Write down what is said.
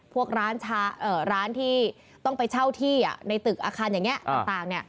พวกร้านที่ต้องไปเช่าที่ในตึกอาคารอย่างนี้ต่าง